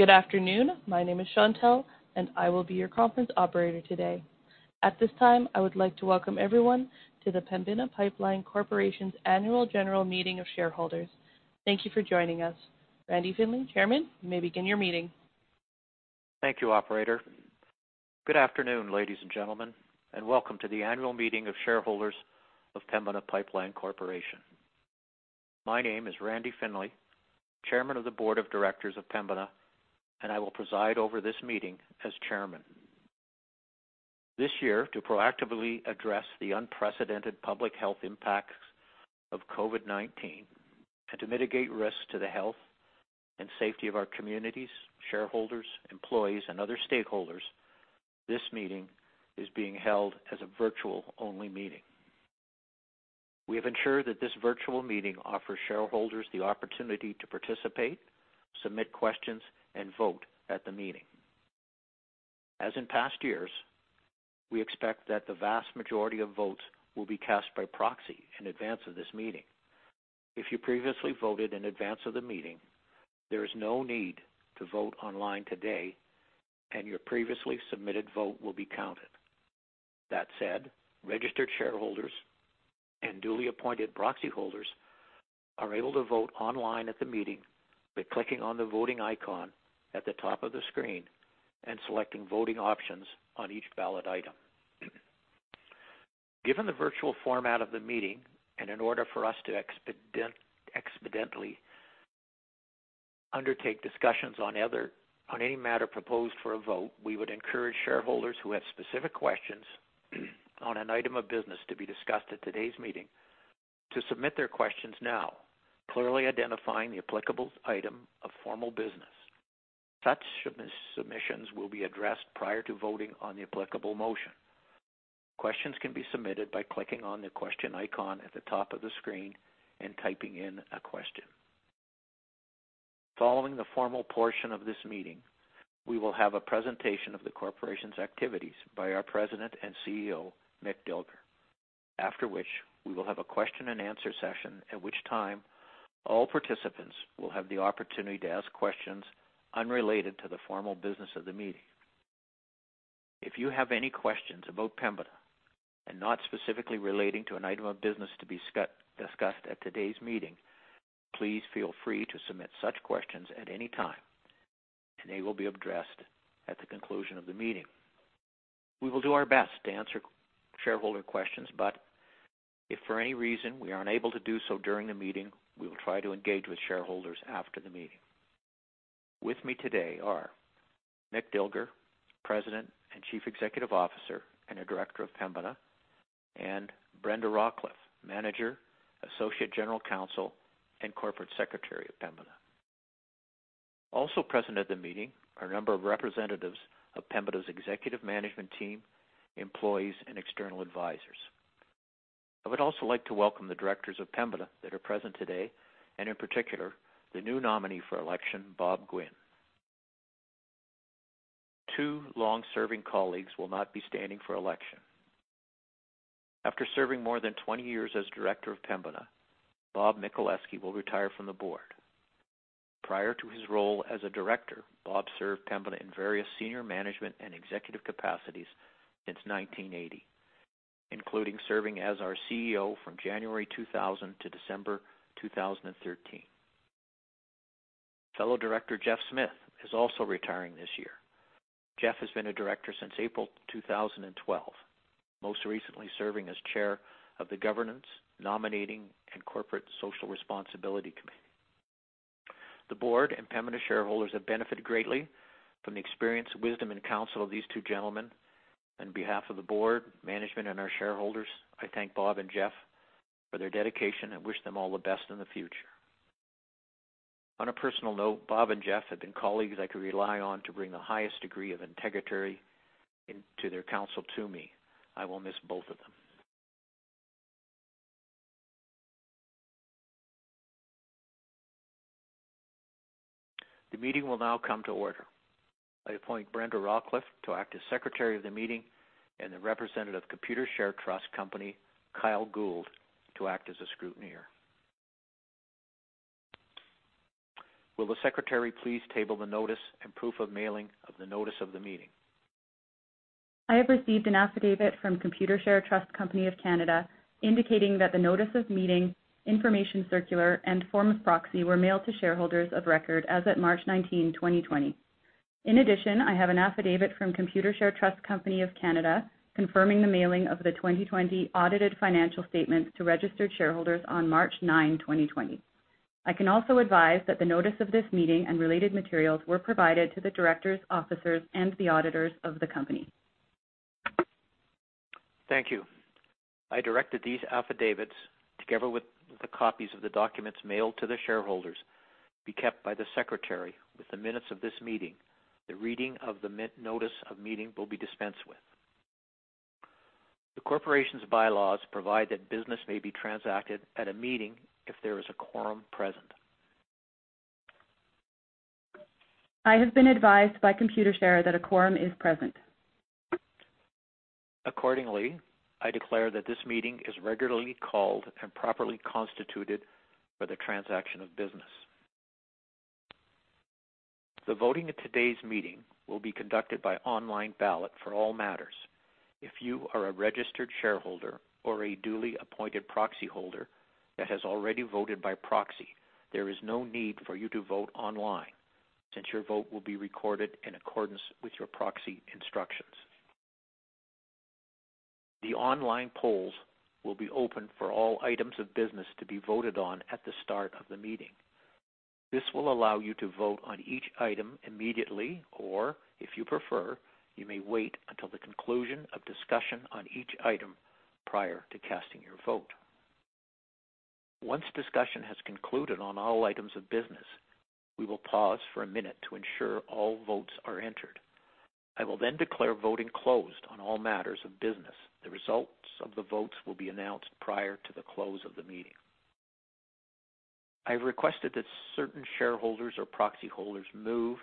Good afternoon. My name is Chantelle, and I will be your conference operator today. At this time, I would like to welcome everyone to the Pembina Pipeline Corporation's Annual General Meeting of Shareholders. Thank you for joining us. Randall Findlay, Chairman, you may begin your meeting. Thank you, operator. Good afternoon, ladies and gentlemen, and welcome to the annual meeting of shareholders of Pembina Pipeline Corporation. My name is Randy Findlay, Chairman of the Board of Directors of Pembina, and I will preside over this meeting as Chairman. This year, to proactively address the unprecedented public health impacts of COVID-19 and to mitigate risks to the health and safety of our communities, shareholders, employees, and other stakeholders, this meeting is being held as a virtual-only meeting. We have ensured that this virtual meeting offers shareholders the opportunity to participate, submit questions, and vote at the meeting. As in past years, we expect that the vast majority of votes will be cast by proxy in advance of this meeting. If you previously voted in advance of the meeting, there is no need to vote online today, and your previously submitted vote will be counted. That said, registered shareholders and duly appointed proxy holders are able to vote online at the meeting by clicking on the voting icon at the top of the screen and selecting voting options on each ballot item. Given the virtual format of the meeting, and in order for us to expediently undertake discussions on any matter proposed for a vote, we would encourage shareholders who have specific questions on an item of business to be discussed at today's meeting to submit their questions now, clearly identifying the applicable item of formal business. Such submissions will be addressed prior to voting on the applicable motion. Questions can be submitted by clicking on the question icon at the top of the screen and typing in a question. Following the formal portion of this meeting, we will have a presentation of the corporation's activities by our President and CEO, Mick Dilger, after which we will have a question and answer session, at which time all participants will have the opportunity to ask questions unrelated to the formal business of the meeting. If you have any questions about Pembina, and not specifically relating to an item of business to be discussed at today's meeting, please feel free to submit such questions at any time, and they will be addressed at the conclusion of the meeting. We will do our best to answer shareholder questions, but if for any reason we are unable to do so during the meeting, we will try to engage with shareholders after the meeting. With me today are Mick Dilger, President and Chief Executive Officer and a Director of Pembina, and Brenda Rockliff, Manager, Associate General Counsel and Corporate Secretary of Pembina. Also present at the meeting are a number of representatives of Pembina's executive management team, employees, and external advisors. I would also like to welcome the directors of Pembina that are present today, and in particular, the new nominee for election, Bob Gwin. Two long-serving colleagues will not be standing for election. After serving more than 20 years as director of Pembina, Bob Michaleski will retire from the board. Prior to his role as a director, Bob served Pembina in various senior management and executive capacities since 1980, including serving as our CEO from January 2000 to December 2013. Fellow director, Jeff Smith, is also retiring this year. Jeff has been a director since April 2012, most recently serving as chair of the Governance, Nominating, and Corporate Social Responsibility Committee. The board and Pembina shareholders have benefited greatly from the experience, wisdom, and counsel of these two gentlemen. On behalf of the board, management, and our shareholders, I thank Bob and Jeff for their dedication and wish them all the best in the future. On a personal note, Bob and Jeff have been colleagues I could rely on to bring the highest degree of integrity into their counsel to me. I will miss both of them. The meeting will now come to order. I appoint Brenda Rockliff to act as Secretary of the meeting and the representative Computershare Trust Company, Kyle Gould, to act as a scrutineer. Will the secretary please table the notice and proof of mailing of the notice of the meeting? I have received an affidavit from Computershare Trust Company of Canada indicating that the notice of meeting, information circular, and form of proxy were mailed to shareholders of record as at March 19, 2020. In addition, I have an affidavit from Computershare Trust Company of Canada confirming the mailing of the 2020 audited financial statements to registered shareholders on March 9, 2020. I can also advise that the notice of this meeting and related materials were provided to the directors, officers, and the auditors of the company. Thank you. I direct that these affidavits, together with the copies of the documents mailed to the shareholders, be kept by the secretary with the minutes of this meeting. The reading of the notice of meeting will be dispensed with. The corporation's bylaws provide that business may be transacted at a meeting if there is a quorum present. I have been advised by Computershare that a quorum is present. Accordingly, I declare that this meeting is regularly called and properly constituted for the transaction of business. The voting at today's meeting will be conducted by online ballot for all matters. If you are a registered shareholder or a duly appointed proxyholder that has already voted by proxy, there is no need for you to vote online since your vote will be recorded in accordance with your proxy instructions. The online polls will be open for all items of business to be voted on at the start of the meeting. This will allow you to vote on each item immediately, or if you prefer, you may wait until the conclusion of discussion on each item prior to casting your vote. Once discussion has concluded on all items of business, we will pause for a minute to ensure all votes are entered. I will then declare voting closed on all matters of business. The results of the votes will be announced prior to the close of the meeting. I have requested that certain shareholders or proxyholders move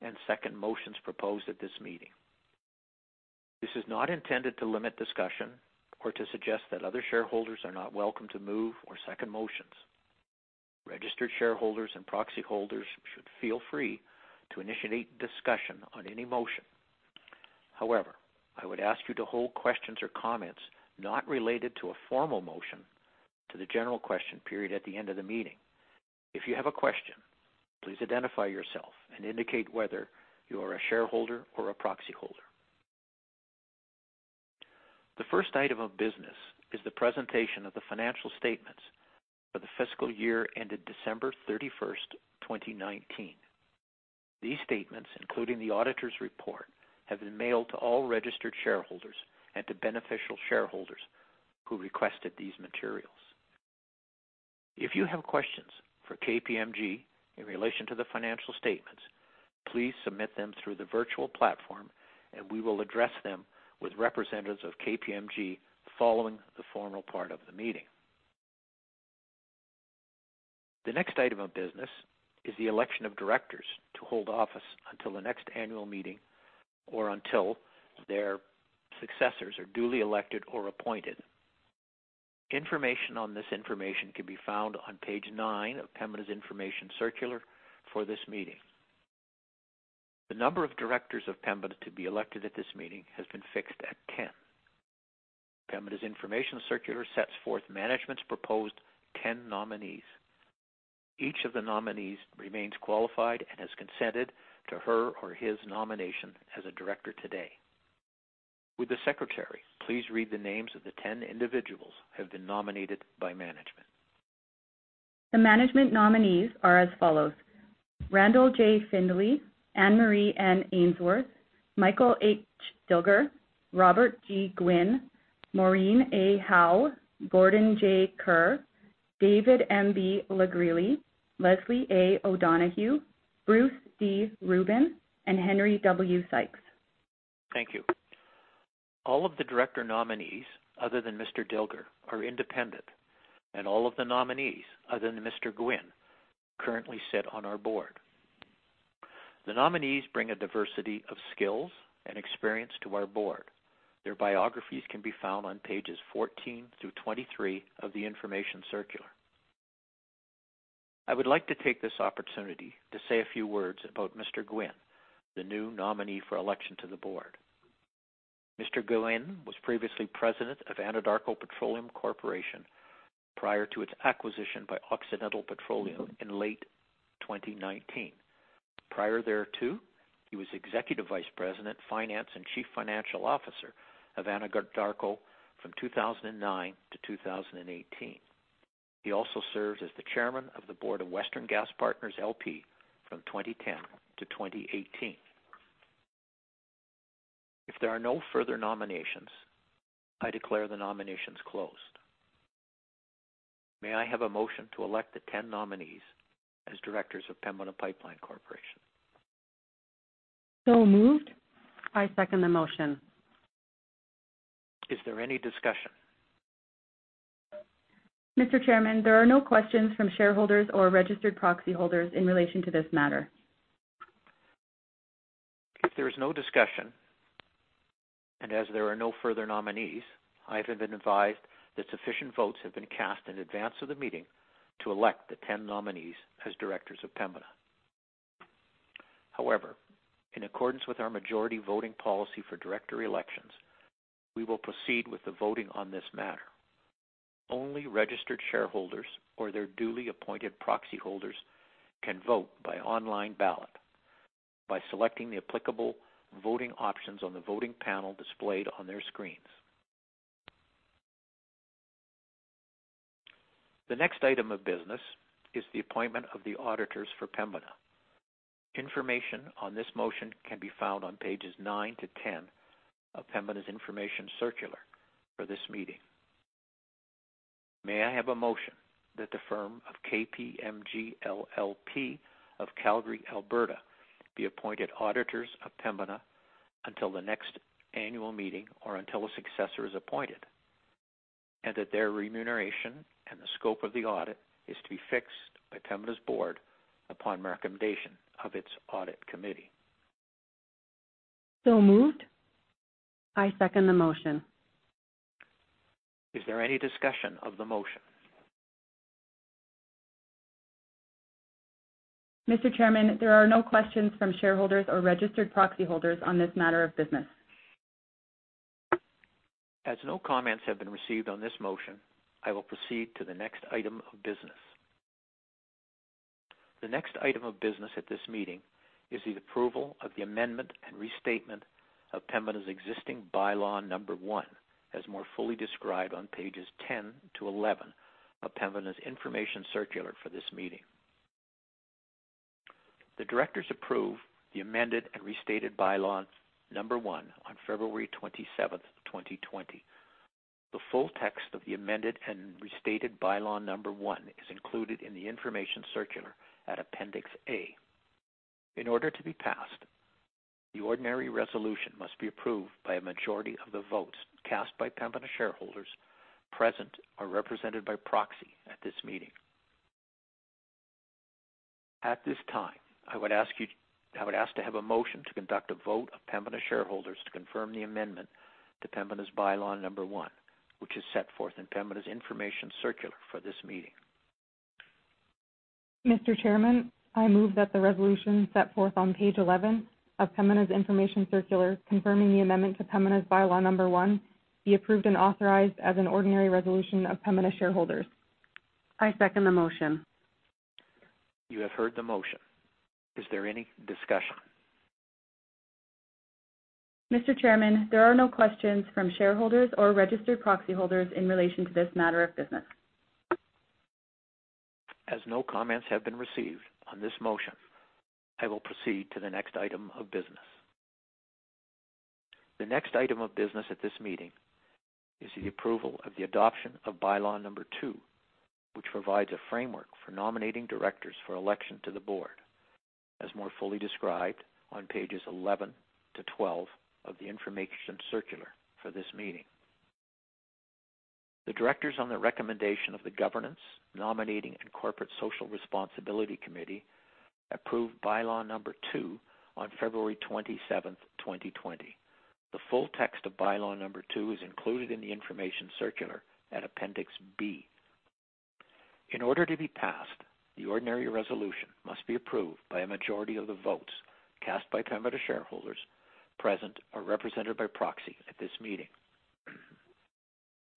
and second motions proposed at this meeting. This is not intended to limit discussion or to suggest that other shareholders are not welcome to move or second motions. Registered shareholders and proxyholders should feel free to initiate discussion on any motion. However, I would ask you to hold questions or comments not related to a formal motion to the general question period at the end of the meeting. If you have a question, please identify yourself and indicate whether you are a shareholder or a proxyholder. The first item of business is the presentation of the financial statements for the fiscal year ended December 31st, 2019. These statements, including the auditor's report, have been mailed to all registered shareholders and to beneficial shareholders who requested these materials. If you have questions for KPMG in relation to the financial statements, please submit them through the virtual platform, and we will address them with representatives of KPMG following the formal part of the meeting. The next item of business is the election of directors to hold office until the next annual meeting or until their successors are duly elected or appointed. Information on this information can be found on page nine of Pembina's information circular for this meeting. The number of directors of Pembina to be elected at this meeting has been fixed at 10. Pembina's information circular sets forth management's proposed 10 nominees. Each of the nominees remains qualified and has consented to her or his nomination as a director today. Would the secretary please read the names of the 10 individuals who have been nominated by management? The management nominees are as follows: Randall J. Findlay, Anne-Marie N. Ainsworth, Michael H. Dilger, Robert G. Gwin, Maureen E. Howe, Gordon J. Kerr, David M.B. LeGresley, Leslie A. O'Donoghue, Bruce D. Rubin, and Henry W. Sykes. Thank you. All of the director nominees, other than Mr. Dilger, are independent, and all of the nominees, other than Mr. Gwin, currently sit on our board. The nominees bring a diversity of skills and experience to our board. Their biographies can be found on pages 14 through 23 of the information circular. I would like to take this opportunity to say a few words about Mr. Gwin, the new nominee for election to the board. Mr. Gwin was previously president of Anadarko Petroleum Corporation prior to its acquisition by Occidental Petroleum in late 2019. Prior thereto, he was Executive Vice President, Finance, and Chief Financial Officer of Anadarko from 2009 to 2018. He also served as the Chairman of the Board of Western Gas Partners, LP from 2010 to 2018. If there are no further nominations, I declare the nominations closed. May I have a motion to elect the 10 nominees as directors of Pembina Pipeline Corporation? Moved. I second the motion. Is there any discussion? Mr. Chairman, there are no questions from shareholders or registered proxyholders in relation to this matter. If there is no discussion, and as there are no further nominees, I have been advised that sufficient votes have been cast in advance of the meeting to elect the 10 nominees as directors of Pembina. However, in accordance with our majority voting policy for director elections, we will proceed with the voting on this matter. Only registered shareholders or their duly appointed proxyholders can vote by online ballot by selecting the applicable voting options on the voting panel displayed on their screens. The next item of business is the appointment of the auditors for Pembina. Information on this motion can be found on pages nine to 10 of Pembina's information circular for this meeting. May I have a motion that the firm of KPMG LLP of Calgary, Alberta, be appointed auditors of Pembina until the next annual meeting or until a successor is appointed? That their remuneration and the scope of the audit is to be fixed by Pembina's board upon recommendation of its audit committee. So moved. I second the motion. Is there any discussion of the motion? Mr. Chairman, there are no questions from shareholders or registered proxy holders on this matter of business. As no comments have been received on this motion, I will proceed to the next item of business. The next item of business at this meeting is the approval of the amendment and restatement of Pembina's existing By-Law Number one, as more fully described on pages 10-11 of Pembina's information circular for this meeting. The directors approve the amended and restated By-Law Number one on February 27th, 2020. The full text of the amended and restated By-Law Number one is included in the information circular at Appendix A. In order to be passed, the ordinary resolution must be approved by a majority of the votes cast by Pembina shareholders present or represented by proxy at this meeting. At this time, I would ask to have a motion to conduct a vote of Pembina shareholders to confirm the amendment to Pembina's By-Law Number one, which is set forth in Pembina's information circular for this meeting. Mr. Chairman, I move that the resolution set forth on page 11 of Pembina's information circular, confirming the amendment to Pembina's By-Law Number one, be approved and authorized as an ordinary resolution of Pembina shareholders. I second the motion. You have heard the motion. Is there any discussion? Mr. Chairman, there are no questions from shareholders or registered proxy holders in relation to this matter of business. As no comments have been received on this motion, I will proceed to the next item of business. The next item of business at this meeting is the approval of the adoption of By-Law Number two, which provides a framework for nominating directors for election to the board, as more fully described on pages 11 to 12 of the information circular for this meeting. The directors, on the recommendation of the Governance, Nominating, and Corporate Social Responsibility Committee, approved By-Law Number two on February 27th, 2020. The full text of By-Law Number 2 is included in the information circular at Appendix B. In order to be passed, the ordinary resolution must be approved by a majority of the votes cast by Pembina shareholders present or represented by proxy at this meeting.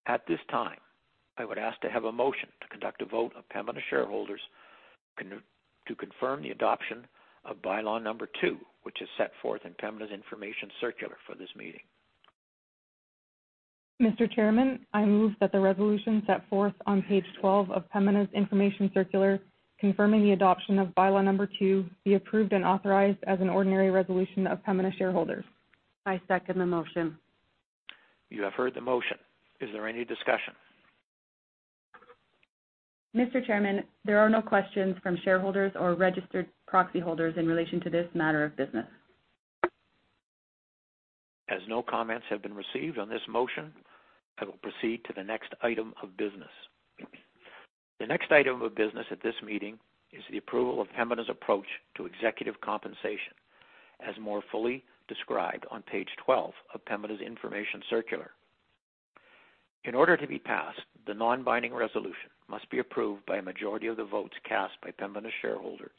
At this time, I would ask to have a motion to conduct a vote of Pembina shareholders to confirm the adoption of By-Law Number two, which is set forth in Pembina's information circular for this meeting. Mr. Chairman, I move that the resolution set forth on page 12 of Pembina's information circular, confirming the adoption of By-Law Number two, be approved and authorized as an ordinary resolution of Pembina shareholders. I second the motion. You have heard the motion. Is there any discussion? Mr. Chairman, there are no questions from shareholders or registered proxy holders in relation to this matter of business. As no comments have been received on this motion, I will proceed to the next item of business. The next item of business at this meeting is the approval of Pembina's approach to executive compensation, as more fully described on page 12 of Pembina's information circular. In order to be passed, the non-binding resolution must be approved by a majority of the votes cast by Pembina shareholders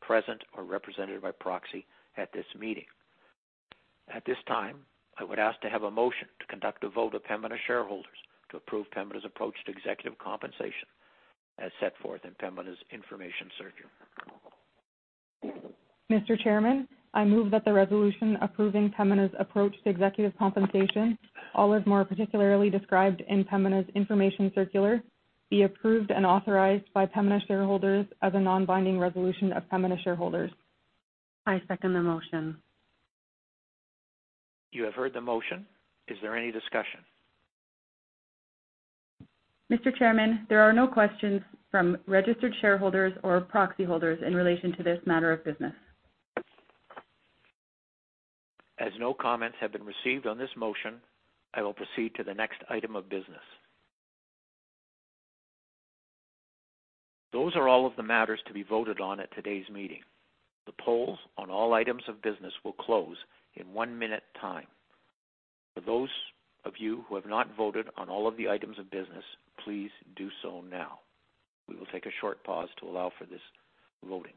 present or represented by proxy at this meeting. At this time, I would ask to have a motion to conduct a vote of Pembina shareholders to approve Pembina's approach to executive compensation as set forth in Pembina's information circular. Mr. Chairman, I move that the resolution approving Pembina's approach to executive compensation, all as more particularly described in Pembina's information circular, be approved and authorized by Pembina shareholders as a non-binding resolution of Pembina shareholders. I second the motion. You have heard the motion. Is there any discussion? Mr. Chairman, there are no questions from registered shareholders or proxy holders in relation to this matter of business. As no comments have been received on this motion, I will proceed to the next item of business. Those are all of the matters to be voted on at today's meeting. The polls on all items of business will close in one minute time. For those of you who have not voted on all of the items of business, please do so now. We will take a short pause to allow for this voting.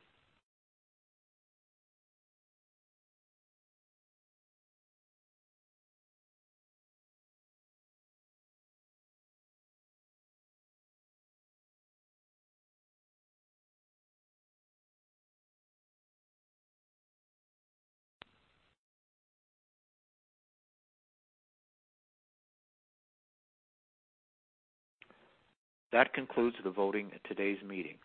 That concludes the voting at today's meeting.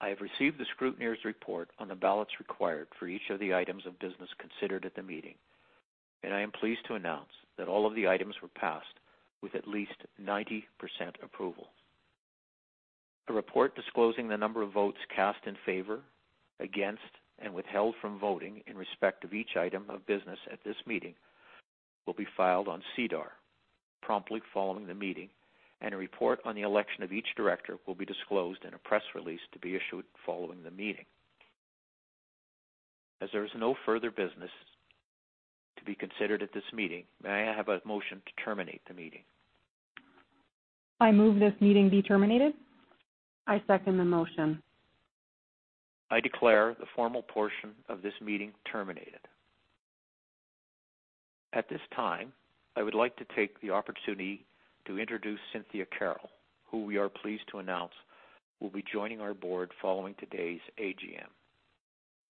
I have received the scrutineer's report on the ballots required for each of the items of business considered at the meeting, and I am pleased to announce that all of the items were passed with at least 90% approval. A report disclosing the number of votes cast in favor, against, and withheld from voting in respect of each item of business at this meeting will be filed on SEDAR promptly following the meeting, and a report on the election of each director will be disclosed in a press release to be issued following the meeting. As there is no further business to be considered at this meeting, may I have a motion to terminate the meeting? I move this meeting be terminated. I second the motion. I declare the formal portion of this meeting terminated. At this time, I would like to take the opportunity to introduce Cynthia Carroll, who we are pleased to announce will be joining our board following today's AGM.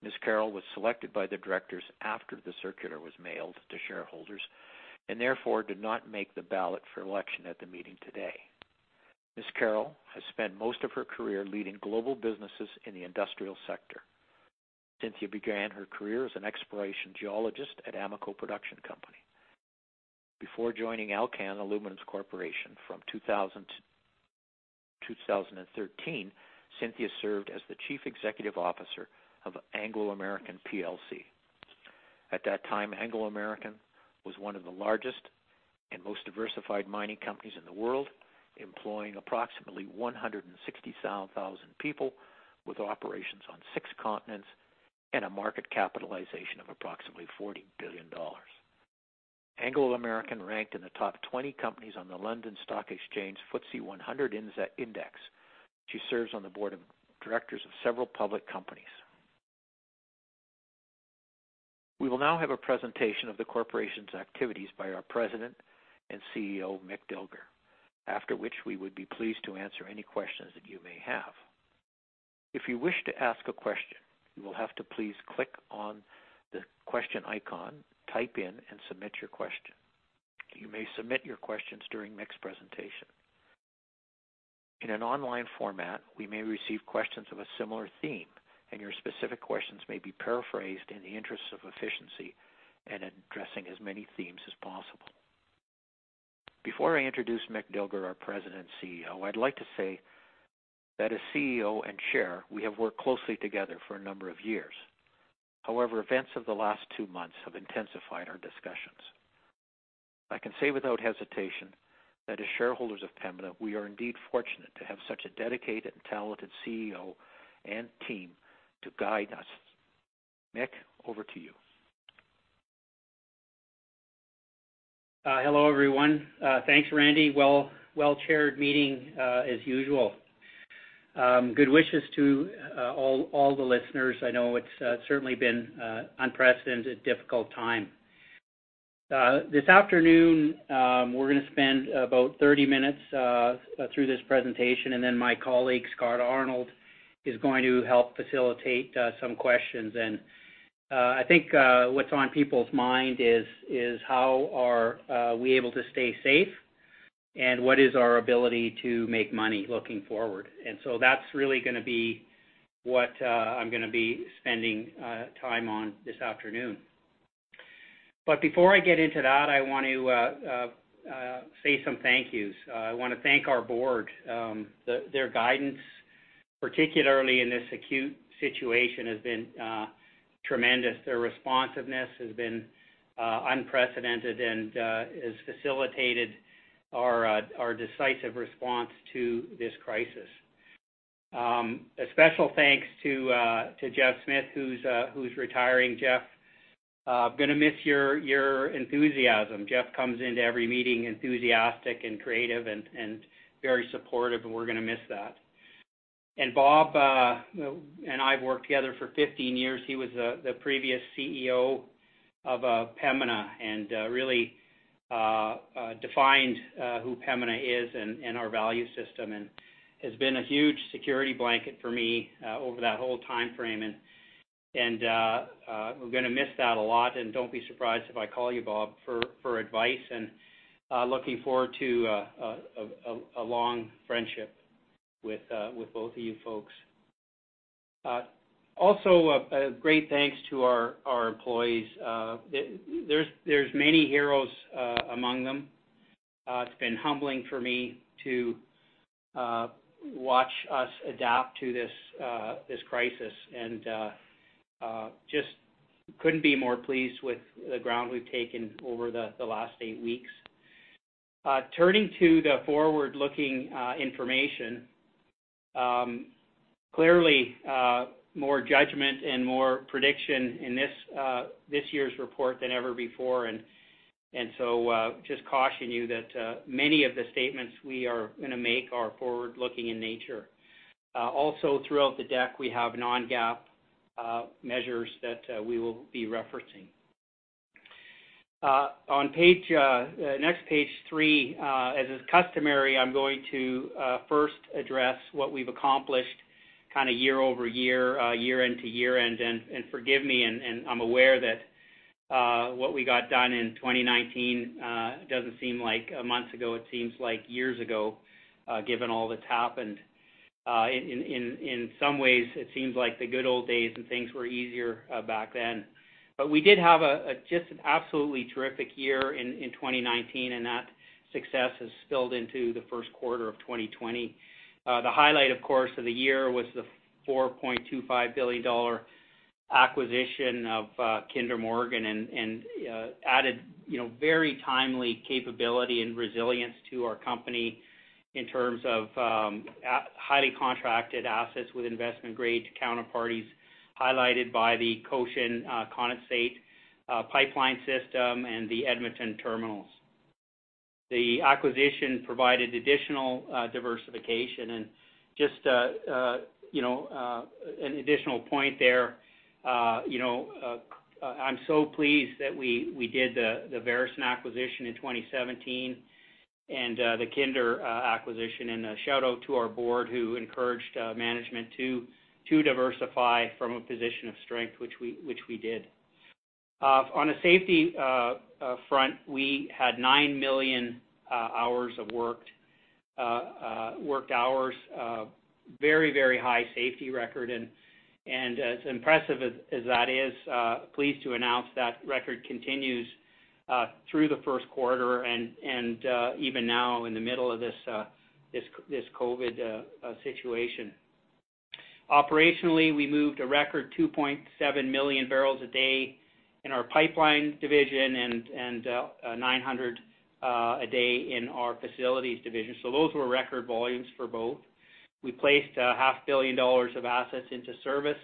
Ms. Carroll was selected by the directors after the circular was mailed to shareholders, therefore did not make the ballot for election at the meeting today. Ms. Carroll has spent most of her career leading global businesses in the industrial sector. Cynthia began her career as an exploration geologist at Amoco Production Company. Before joining Alcan Aluminium Limited from 2000 to 2013, Cynthia served as the Chief Executive Officer of Anglo American plc. At that time, Anglo American was one of the largest and most diversified mining companies in the world, employing approximately 160,000 people with operations on six continents and a market capitalization of approximately 40 billion dollars. Anglo-American ranked in the top 20 companies on the London Stock Exchange FTSE 100 Index. She serves on the board of directors of several public companies. We will now have a presentation of the corporation's activities by our President and CEO, Mick Dilger, after which we would be pleased to answer any questions that you may have. If you wish to ask a question, you will have to please click on the question icon, type in and submit your question. You may submit your questions during Mick's presentation. In an online format, we may receive questions of a similar theme, and your specific questions may be paraphrased in the interest of efficiency and addressing as many themes as possible. Before I introduce Mick Dilger, our President and CEO, I'd like to say that as CEO and Chair, we have worked closely together for a number of years. Events of the last two months have intensified our discussions. I can say without hesitation that as shareholders of Pembina, we are indeed fortunate to have such a dedicated and talented CEO and team to guide us. Mick, over to you. Hello, everyone. Thanks, Randy. Well-chaired meeting as usual. Good wishes to all the listeners. I know it's certainly been unprecedented, difficult time. This afternoon, we're going to spend about 30 minutes through this presentation, then my colleague, Scott Arnold, is going to help facilitate some questions. I think what's on people's mind is, how are we able to stay safe, and what is our ability to make money looking forward? That's really going to be what I'm going to be spending time on this afternoon. Before I get into that, I want to say some thank yous. I want to thank our board. Their guidance, particularly in this acute situation, has been tremendous. Their responsiveness has been unprecedented and has facilitated our decisive response to this crisis. A special thanks to Jeff Smith, who's retiring. Jeff, I'm going to miss your enthusiasm. Jeff comes into every meeting enthusiastic and creative and very supportive, and we're going to miss that. Bob and I have worked together for 15 years. He was the previous CEO of Pembina and really defined who Pembina is and our value system, and has been a huge security blanket for me over that whole timeframe, and we're going to miss that a lot. Don't be surprised if I call you, Bob, for advice, and looking forward to a long friendship with both of you folks. Also, a great thanks to our employees. There's many heroes among them. It's been humbling for me to watch us adapt to this crisis, and just couldn't be more pleased with the ground we've taken over the last eight weeks. Turning to the forward-looking information, clearly more judgment and more prediction in this year's report than ever before. Just caution you that many of the statements we are going to make are forward-looking in nature. Throughout the deck, we have non-GAAP measures that we will be referencing. Next, page three. As is customary, I'm going to first address what we've accomplished year-over-year, year-end-to-year-end. Forgive me, and I'm aware that what we got done in 2019 doesn't seem like a month ago. It seems like years ago given all that's happened. In some ways, it seems like the good old days and things were easier back then. We did have just an absolutely terrific year in 2019, and that success has spilled into the first quarter of 2020. The highlight, of course, of the year was the 4.25 billion dollar acquisition of Kinder Morgan and added very timely capability and resilience to our company in terms of highly contracted assets with investment-grade counterparties, highlighted by the Cochin Condensate pipeline system and the Edmonton terminals. The acquisition provided additional diversification and just an additional point there, I'm so pleased that we did the Veresen acquisition in 2017 and the Kinder acquisition, and a shout-out to our board, who encouraged management to diversify from a position of strength, which we did. On a safety front, we had nine million hours of worked hours. As impressive as that is, pleased to announce that record continues through the first quarter and even now in the middle of this COVID situation. Operationally, we moved a record 2.7 million barrels a day in our pipeline division and 900 a day in our facilities division. Those were record volumes for both. We placed a half billion CAD of assets into service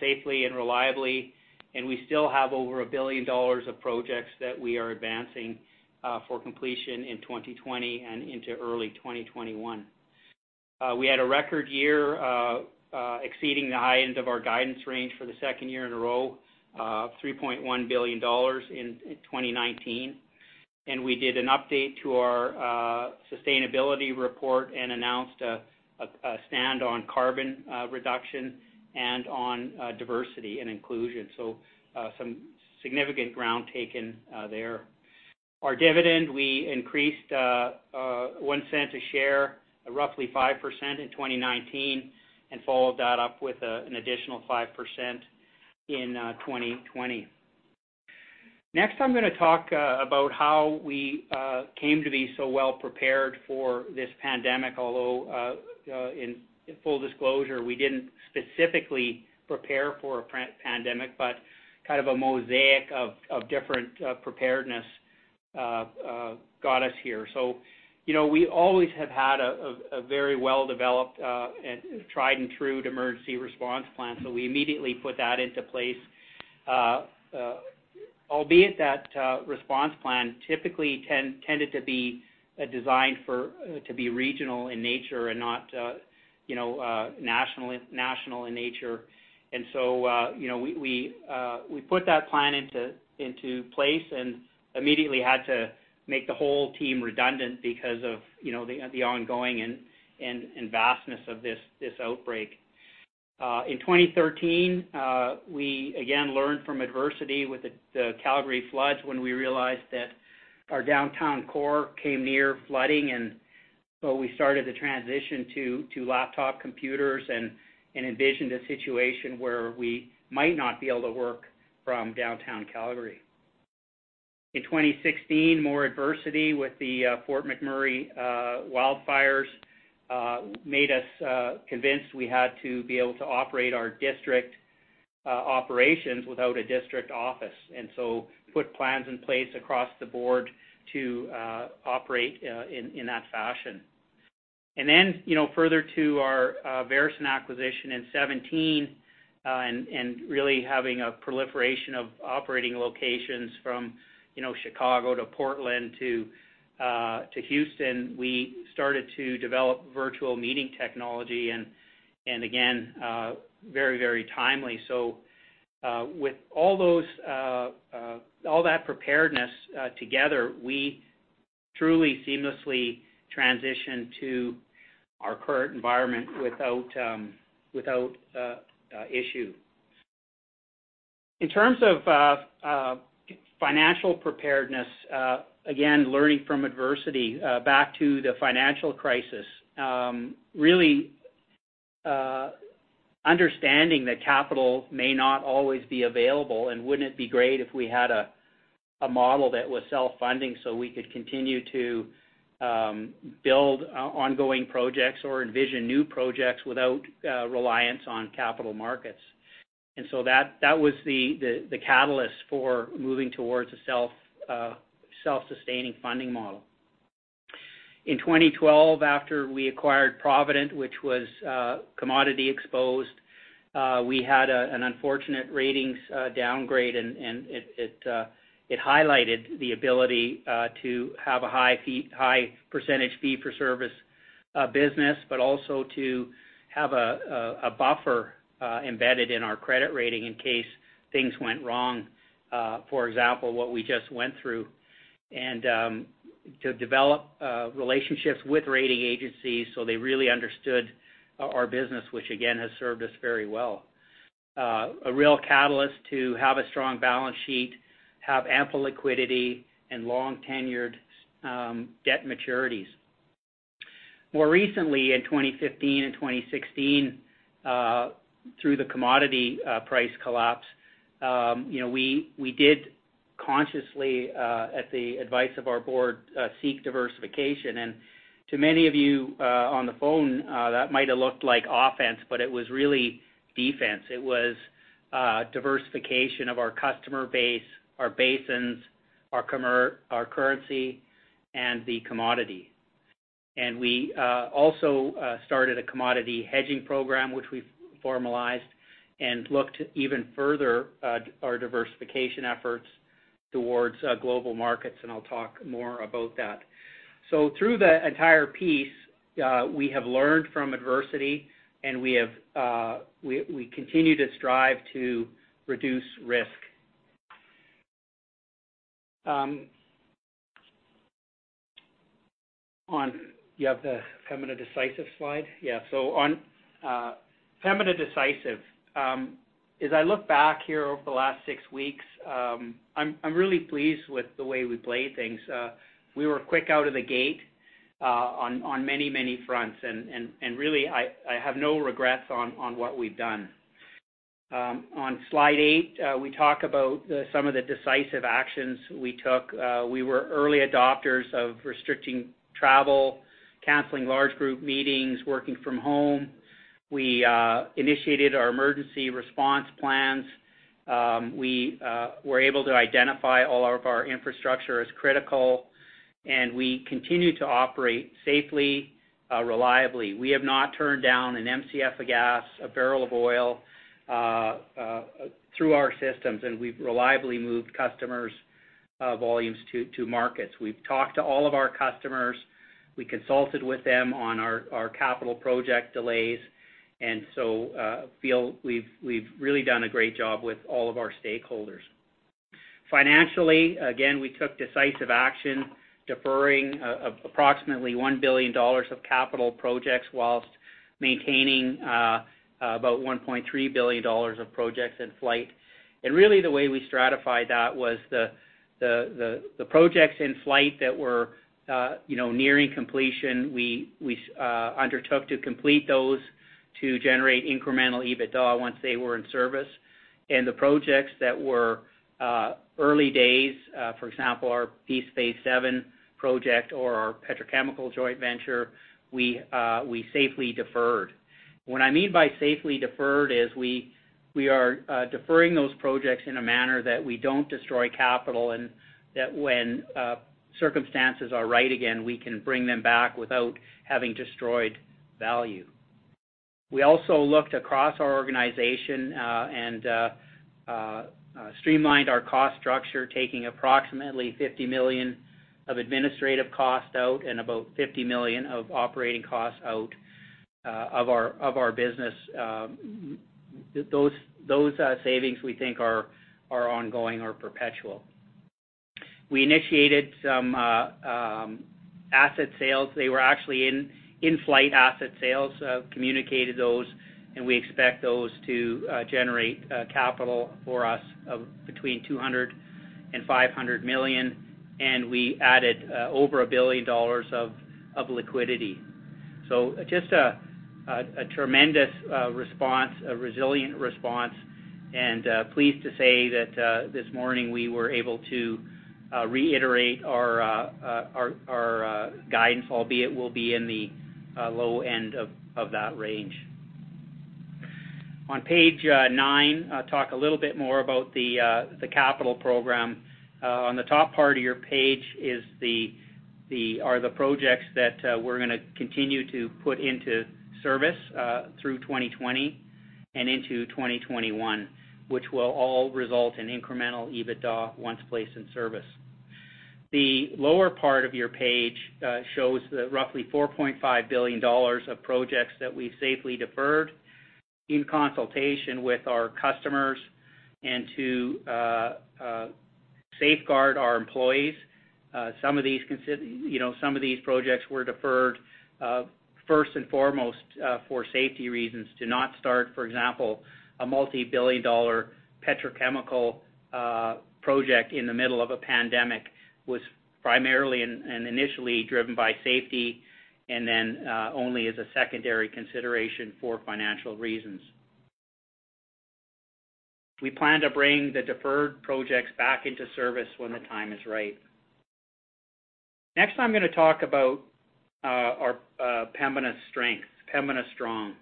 safely and reliably, and we still have over 1 billion dollars of projects that we are advancing for completion in 2020 and into early 2021. We had a record year, exceeding the high end of our guidance range for the second year in a row, 3.1 billion dollars in 2019. We did an update to our sustainability report and announced a stand on carbon reduction and on diversity and inclusion. Some significant ground taken there. Our dividend, we increased 0.01 a share, roughly 5% in 2019, and followed that up with an additional 5% in 2020. Next, I'm going to talk about how we came to be so well-prepared for this pandemic, although in full disclosure, we didn't specifically prepare for a pandemic, but a mosaic of different preparedness got us here. We always have had a very well-developed and tried and true emergency response plan, so we immediately put that into place, albeit that response plan typically tended to be designed to be regional in nature and not national in nature. We put that plan into place and immediately had to make the whole team redundant because of the ongoing and vastness of this outbreak. In 2013, we again learned from adversity with the Calgary floods when we realized that our downtown core came near flooding, we started to transition to laptop computers and envisioned a situation where we might not be able to work from downtown Calgary. In 2016, more adversity with the Fort McMurray wildfires made us convinced we had to be able to operate our district operations without a district office, and so put plans in place across the board to operate in that fashion. Further to our Veresen acquisition in 2017, and really having a proliferation of operating locations from Chicago to Portland to Houston, we started to develop virtual meeting technology and again, very timely. With all that preparedness together, we truly seamlessly transitioned to our current environment without issue. In terms of financial preparedness, again, learning from adversity back to the financial crisis, really understanding that capital may not always be available and wouldn't it be great if we had a model that was self-funding so we could continue to build ongoing projects or envision new projects without reliance on capital markets. That was the catalyst for moving towards a self-sustaining funding model. In 2012, after we acquired Provident, which was commodity exposed, we had an unfortunate ratings downgrade, and it highlighted the ability to have a high percentage fee for service business, but also to have a buffer embedded in our credit rating in case things went wrong. For example, what we just went through and to develop relationships with rating agencies so they really understood our business, which again, has served us very well. A real catalyst to have a strong balance sheet, have ample liquidity and long-tenured debt maturities. More recently, in 2015 and 2016, through the commodity price collapse, we did consciously, at the advice of our board, seek diversification. To many of you on the phone, that might've looked like offense, but it was really defense. It was diversification of our customer base, our basins, our currency, and the commodity. We also started a commodity hedging program, which we've formalized and looked even further at our diversification efforts towards global markets, and I'll talk more about that. Through the entire piece, we have learned from adversity and we continue to strive to reduce risk. Do you have the Pembina Decisive slide? Yeah. On Pembina Decisive, as I look back here over the last six weeks, I'm really pleased with the way we played things. We were quick out of the gate on many, many fronts, and really, I have no regrets on what we've done. On slide eight, we talk about some of the decisive actions we took. We were early adopters of restricting travel, canceling large group meetings, working from home. We initiated our emergency response plans. We were able to identify all of our infrastructure as critical, and we continue to operate safely, reliably. We have not turned down an Mcf of gas, a barrel of oil, through our systems, and we've reliably moved customers' volumes to markets. We've talked to all of our customers. We consulted with them on our capital project delays, and so feel we've really done a great job with all of our stakeholders. Financially, again, we took decisive action, deferring approximately 1 billion dollars of capital projects whilst maintaining about 1.3 billion dollars of projects in flight. Really, the way we stratified that was the projects in flight that were nearing completion, we undertook to complete those to generate incremental EBITDA once they were in service. The projects that were early days, for example, our Peace Phase VII project or our petrochemical joint venture, we safely deferred. What I mean by safely deferred is we are deferring those projects in a manner that we don't destroy capital, and that when circumstances are right again, we can bring them back without having destroyed value. We also looked across our organization and streamlined our cost structure, taking approximately 50 million of administrative costs out and about 50 million of operating costs out of our business. Those savings we think are ongoing or perpetual. We initiated some asset sales. They were actually in-flight asset sales, communicated those, and we expect those to generate capital for us of between 200 million and 500 million, and we added over 1 billion dollars of liquidity. Just a tremendous response, a resilient response, and pleased to say that this morning we were able to reiterate our guidance, albeit will be in the low end of that range. On page nine, I'll talk a little bit more about the capital program. On the top part of your page are the projects that we're going to continue to put into service through 2020 and into 2021, which will all result in incremental EBITDA once placed in service. The lower part of your page shows the roughly 4.5 billion dollars of projects that we've safely deferred in consultation with our customers and to safeguard our employees. Some of these projects were deferred first and foremost for safety reasons to not start, for example, a multi-billion dollar petrochemical project in the middle of a pandemic was primarily and initially driven by safety, then only as a secondary consideration for financial reasons. We plan to bring the deferred projects back into service when the time is right. Next, I'm going to talk about our Pembina strength, Pembina strong.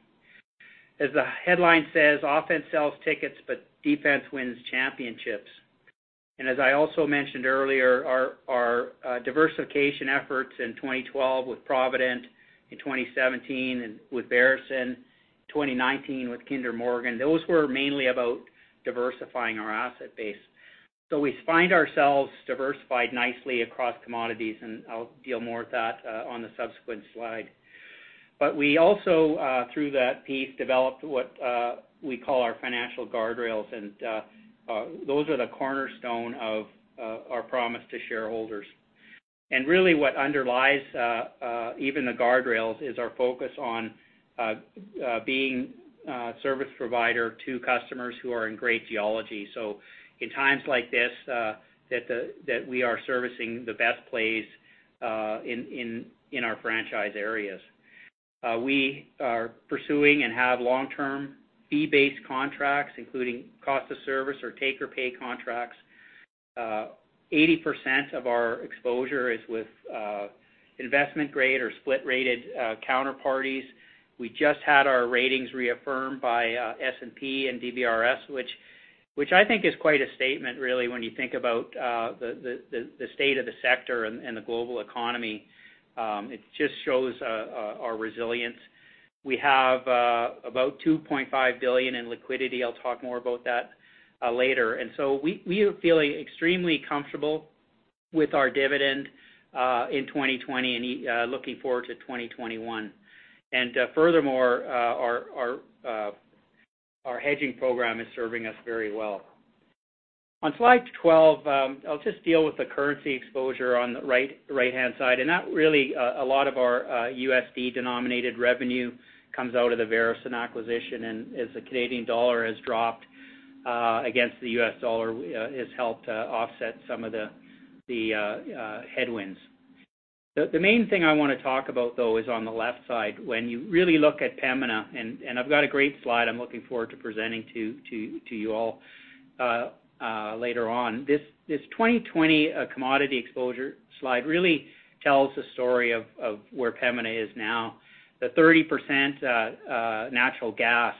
As the headline says, offense sells tickets, but defense wins championships. As I also mentioned earlier, our diversification efforts in 2012 with Provident, in 2017 with Veresen, 2019 with Kinder Morgan, those were mainly about diversifying our asset base. We find ourselves diversified nicely across commodities, and I'll deal more with that on the subsequent slide. We also, through that piece, developed what we call our financial guardrails, and those are the cornerstone of our promise to shareholders. Really what underlies even the guardrails is our focus on being a service provider to customers who are in great geology. In times like this, that we are servicing the best plays in our franchise areas. We are pursuing and have long-term fee-based contracts, including cost of service or take-or-pay contracts. 80% of our exposure is with investment-grade or split-rated counterparties. We just had our ratings reaffirmed by S&P and DBRS, which I think is quite a statement really when you think about the state of the sector and the global economy. It just shows our resilience. We have about 2.5 billion in liquidity. I'll talk more about that later. We are feeling extremely comfortable with our dividend in 2020 and looking forward to 2021. Furthermore, our hedging program is serving us very well. On slide 12, I'll just deal with the currency exposure on the right-hand side, and not really a lot of our USD-denominated revenue comes out of the Veresen acquisition, and as the Canadian dollar has dropped against the U.S. dollar, it's helped to offset some of the headwinds. The main thing I want to talk about, though, is on the left side. When you really look at Pembina, I've got a great slide I'm looking forward to presenting to you all later on. This 2020 commodity exposure slide really tells the story of where Pembina is now. The 30% natural gas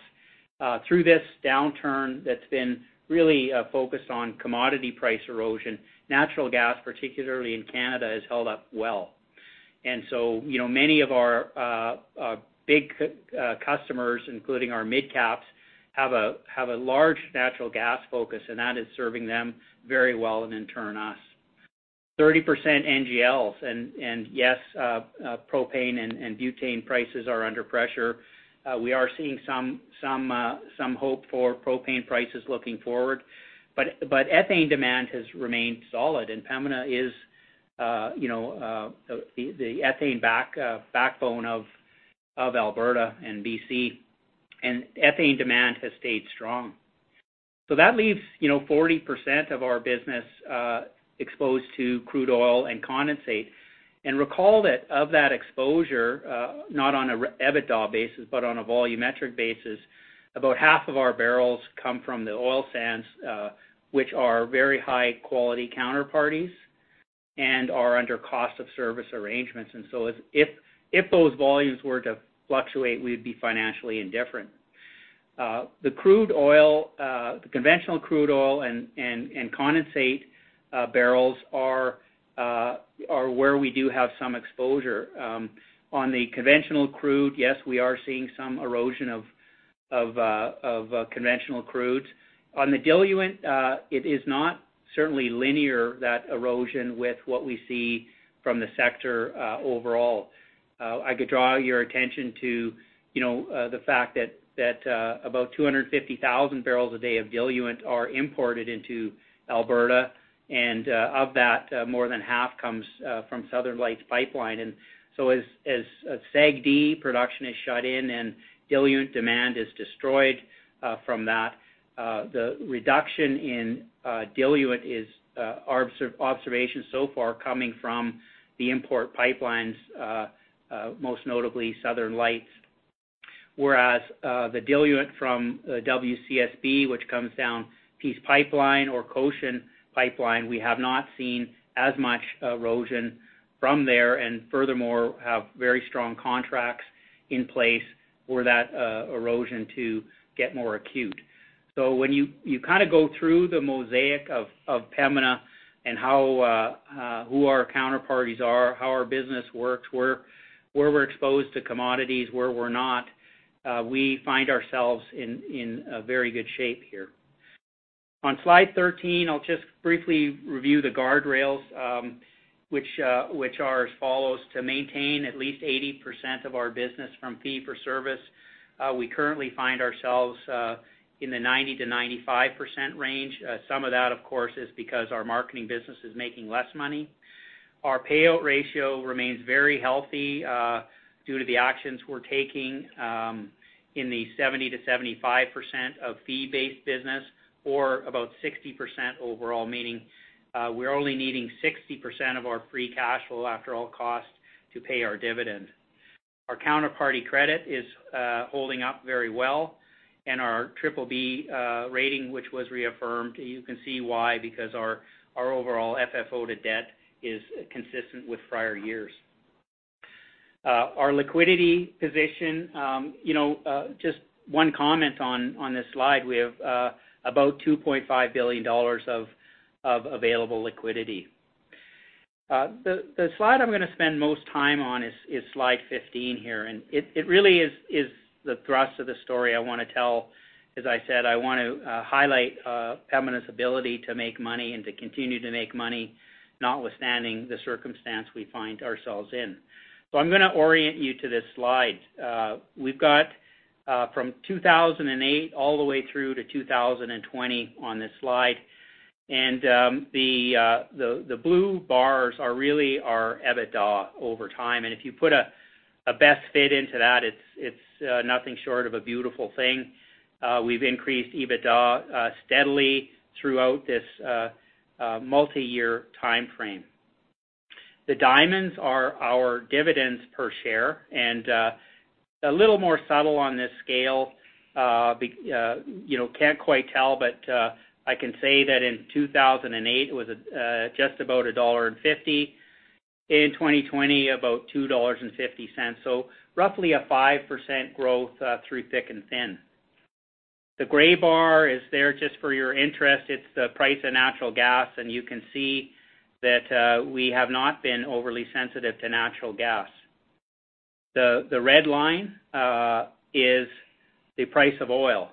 through this downturn that's been really focused on commodity price erosion. Natural gas, particularly in Canada, has held up well. Many of our big customers, including our mid-caps, have a large natural gas focus, and that is serving them very well and in turn us. 30% NGLs, and yes, propane and butane prices are under pressure. We are seeing some hope for propane prices looking forward, but ethane demand has remained solid and Pembina is the ethane backbone of Alberta and B.C., and ethane demand has stayed strong. That leaves 40% of our business exposed to crude oil and condensate. Recall that of that exposure, not on an EBITDA basis, but on a volumetric basis, about half of our barrels come from the oil sands, which are very high-quality counterparties and are under cost of service arrangements. So if those volumes were to fluctuate, we'd be financially indifferent. The conventional crude oil and condensate barrels are where we do have some exposure. On the conventional crude, yes, we are seeing some erosion of conventional crudes. On the diluent, it is not certainly linear, that erosion, with what we see from the sector overall. I could draw your attention to the fact that about 250,000 barrels a day of diluent are imported into Alberta, and of that, more than half comes from Southern Lights Pipeline. As SAGD production is shut in and diluent demand is destroyed from that, the reduction in diluent is our observation so far coming from the import pipelines, most notably Southern Lights. Whereas the diluent from WCSB, which comes down Peace Pipeline or Cochin Pipeline, we have not seen as much erosion from there, and furthermore, have very strong contracts in place for that erosion to get more acute. When you kind of go through the mosaic of Pembina and who our counterparties are, how our business works, where we're exposed to commodities, where we're not, we find ourselves in a very good shape here. On slide 13, I'll just briefly review the guardrails, which are as follows: To maintain at least 80% of our business from fee for service. We currently find ourselves in the 90%-95% range. Some of that, of course, is because our marketing business is making less money. Our payout ratio remains very healthy due to the actions we're taking in the 70%-75% of fee-based business or about 60% overall, meaning we're only needing 60% of our free cash flow after all costs to pay our dividend. Our counterparty credit is holding up very well and our BBB rating, which was reaffirmed, you can see why, because our overall FFO to debt is consistent with prior years. Our liquidity position, just one comment on this slide. We have about 2.5 billion dollars of available liquidity. The slide I'm going to spend most time on is slide 15 here, and it really is the thrust of the story I want to tell. As I said, I want to highlight Pembina's ability to make money and to continue to make money notwithstanding the circumstance we find ourselves in. I'm going to orient you to this slide. We've got from 2008 all the way through to 2020 on this slide. The blue bars are really our EBITDA over time. If you put a best fit into that, it's nothing short of a beautiful thing. We've increased EBITDA steadily throughout this a multi-year timeframe. The diamonds are our dividends per share, and a little more subtle on this scale. Can't quite tell, but I can say that in 2008, it was just about 1.50 dollar. In 2020, about 2.50 dollars. Roughly a 5% growth through thick and thin. The gray bar is there just for your interest. It's the price of natural gas, and you can see that we have not been overly sensitive to natural gas. The red line is the price of oil.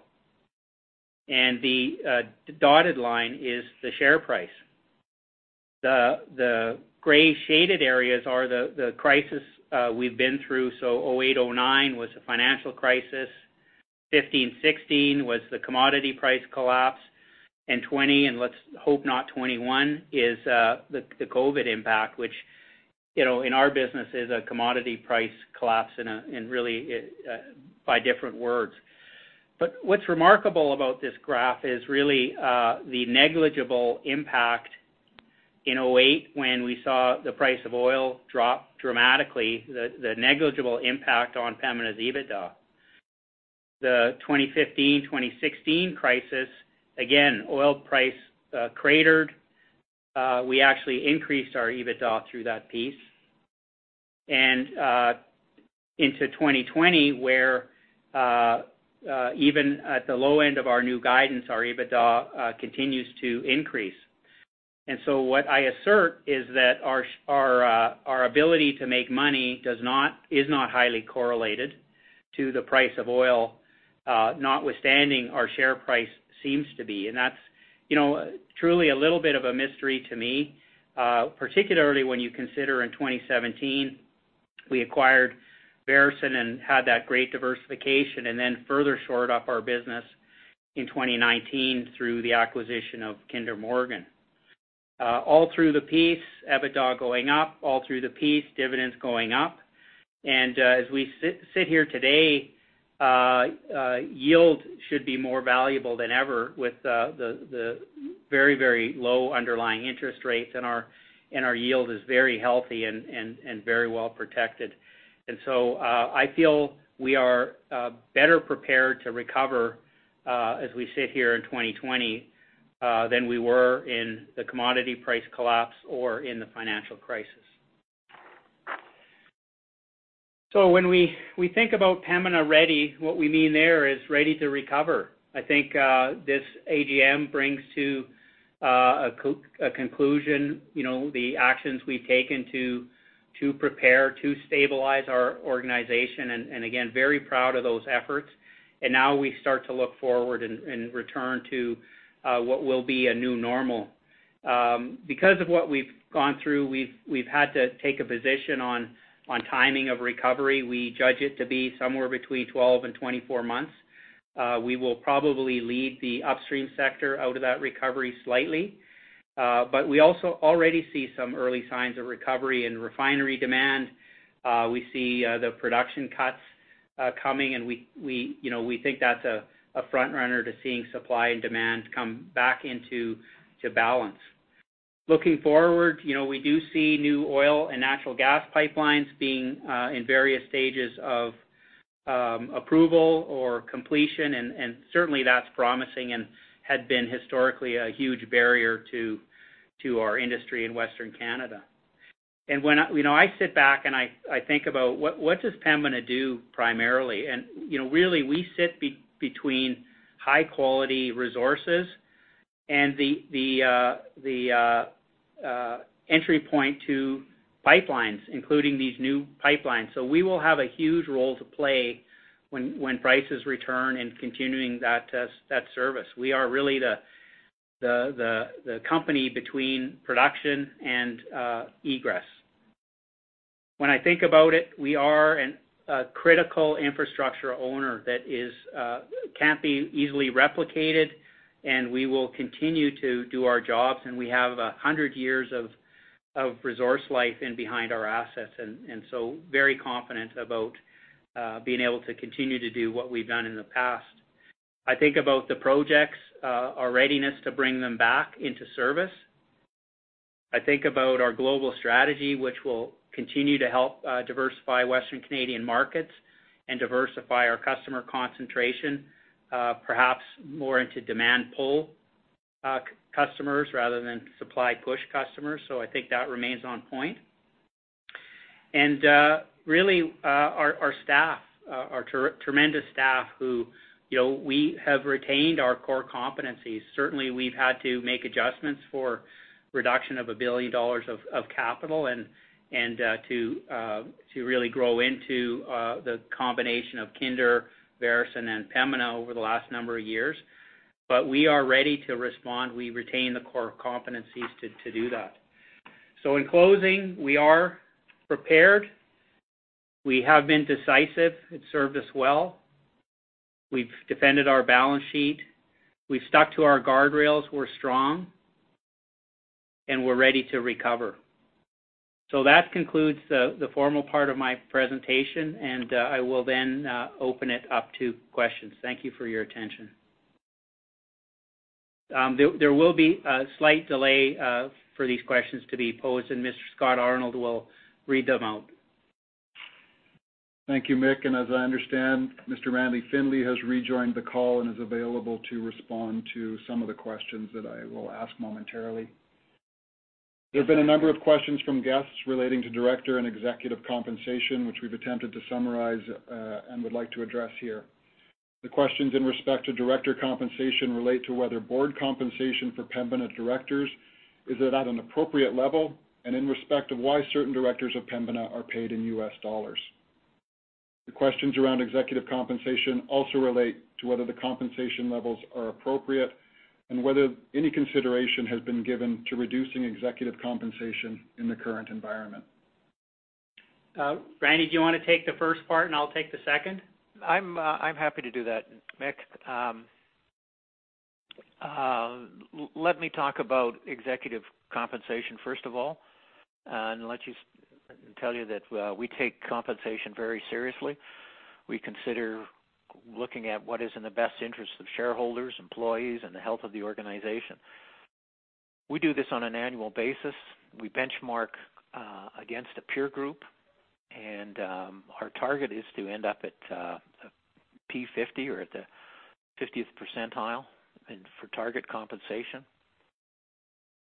The dotted line is the share price. The gray shaded areas are the crisis we've been through. 2008, 2009 was the financial crisis. 2015, 2016 was the commodity price collapse, and 2020, and let's hope not 2021, is the COVID impact, which in our business is a commodity price collapse and really by different words. What's remarkable about this graph is really the negligible impact in 2008 when we saw the price of oil drop dramatically, the negligible impact on Pembina's EBITDA. The 2015, 2016 crisis, again, oil price cratered. We actually increased our EBITDA through that piece. Into 2020, where even at the low end of our new guidance, our EBITDA continues to increase. What I assert is that our ability to make money is not highly correlated to the price of oil, notwithstanding our share price seems to be, and that's truly a little bit of a mystery to me. Particularly when you consider in 2017, we acquired Veresen and had that great diversification, and then further shored up our business in 2019 through the acquisition of Kinder Morgan. All through the piece, EBITDA going up, all through the piece, dividends going up. As we sit here today, yield should be more valuable than ever with the very low underlying interest rates, and our yield is very healthy and very well-protected. I feel we are better prepared to recover as we sit here in 2020 than we were in the commodity price collapse or in the financial crisis. When we think about Pembina ready, what we mean there is ready to recover. I think this AGM brings to a conclusion the actions we've taken to prepare, to stabilize our organization, and again, very proud of those efforts. Now we start to look forward and return to what will be a new normal. Because of what we've gone through, we've had to take a position on timing of recovery. We judge it to be somewhere between 12 and 24 months. We will probably lead the upstream sector out of that recovery slightly. We also already see some early signs of recovery in refinery demand. We see the production cuts coming, and we think that's a frontrunner to seeing supply and demand come back into balance. Looking forward, we do see new oil and natural gas pipelines being in various stages of approval or completion, certainly that's promising and had been historically a huge barrier to our industry in Western Canada. When I sit back and I think about what does Pembina do primarily? Really, we sit between high-quality resources and the entry point to pipelines, including these new pipelines. We will have a huge role to play when prices return and continuing that service. We are really the company between production and egress. When I think about it, we are a critical infrastructure owner that can't be easily replicated, We will continue to do our jobs. We have 100 years of resource life in behind our assets, Very confident about being able to continue to do what we've done in the past. I think about the projects, our readiness to bring them back into service. I think about our global strategy, which will continue to help diversify Western Canadian markets and diversify our customer concentration perhaps more into demand pull customers rather than supply push customers. I think that remains on point. Really, our staff, our tremendous staff who we have retained our core competencies. Certainly, we've had to make adjustments for reduction of 1 billion dollars of capital and to really grow into the combination of Kinder, Veresen, and Pembina over the last number of years. We are ready to respond. We retain the core competencies to do that. In closing, we are prepared. We have been decisive. It served us well. We've defended our balance sheet. We've stuck to our guardrails. We're strong, and we're ready to recover. That concludes the formal part of my presentation, and I will then open it up to questions. Thank you for your attention. There will be a slight delay for these questions to be posed, and Mr. Scott Arnold will read them out. Thank you, Mick. As I understand, Mr. Randall Findlay has rejoined the call and is available to respond to some of the questions that I will ask momentarily. There have been a number of questions from guests relating to director and executive compensation, which we've attempted to summarize and would like to address here. The questions in respect to director compensation relate to whether board compensation for Pembina directors is at an appropriate level, and in respect of why certain directors of Pembina are paid in US dollars. The questions around executive compensation also relate to whether the compensation levels are appropriate and whether any consideration has been given to reducing executive compensation in the current environment. Randy, do you want to take the first part and I'll take the second? I'm happy to do that, Mick. Let me talk about executive compensation first of all. Let me tell you that we take compensation very seriously. We consider looking at what is in the best interest of shareholders, employees, and the health of the organization. We do this on an annual basis. We benchmark against a peer group. Our target is to end up at P50 or at the 50th percentile for target compensation.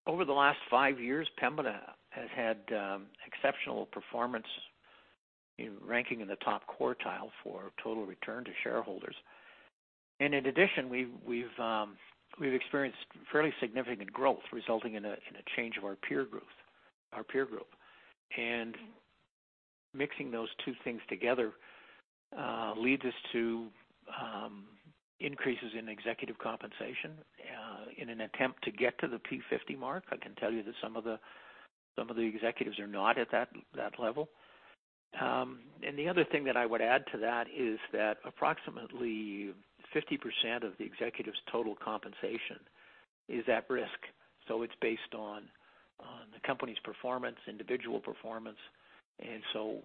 Over the last five years, Pembina has had exceptional performance, ranking in the top quartile for total return to shareholders. In addition, we've experienced fairly significant growth resulting in a change of our peer group. Mixing those two things together leads us to increases in executive compensation in an attempt to get to the P50 mark. I can tell you that some of the executives are not at that level. The other thing that I would add to that is that approximately 50% of the executives' total compensation is at risk. It's based on the company's performance, individual performance, and so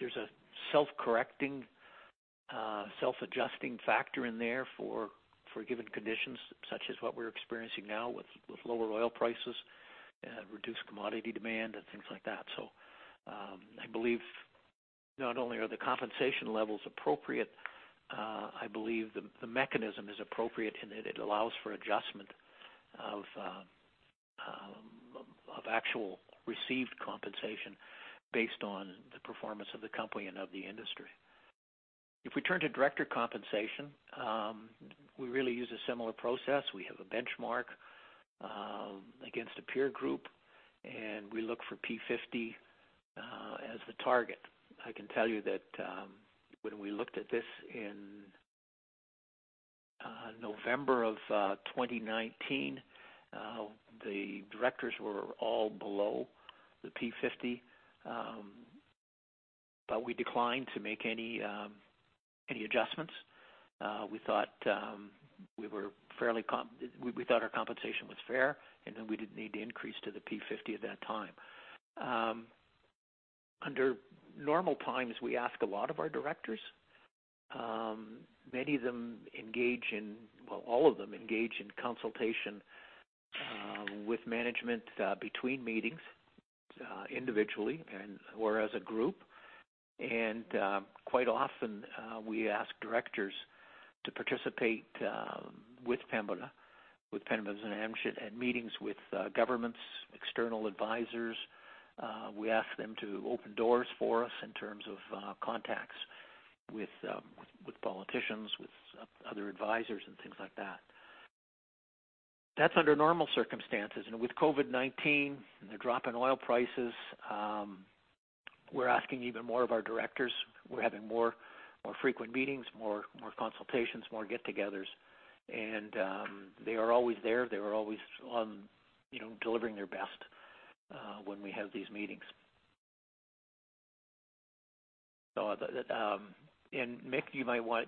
there's a self-correcting, self-adjusting factor in there for given conditions, such as what we're experiencing now with lower oil prices and reduced commodity demand and things like that. I believe not only are the compensation levels appropriate, I believe the mechanism is appropriate in that it allows for adjustment of actual received compensation based on the performance of the company and of the industry. We turn to director compensation, we really use a similar process. We have a benchmark against a peer group, and we look for P50 as the target. I can tell you that when we looked at this in November of 2019, the directors were all below the P50, we declined to make any adjustments. We thought our compensation was fair and that we didn't need to increase to the P50 at that time. Under normal times, we ask a lot of our directors. All of them engage in consultation with management between meetings, individually or as a group. Quite often, we ask directors to participate with Pembina's management at meetings with governments, external advisors. We ask them to open doors for us in terms of contacts with politicians, with other advisors, and things like that. That's under normal circumstances. With COVID-19 and the drop in oil prices, we're asking even more of our directors. We're having more frequent meetings, more consultations, more get-togethers, and they are always there. They are always delivering their best when we have these meetings. Mick, do